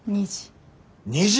２時。